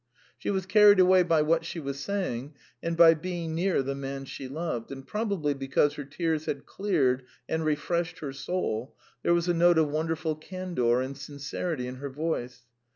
She was carried away by what she was saying, and by being near the man she loved, and probably because her tears had cleared and refreshed her soul, there was a note of wonderful candour and sincerity in her voice.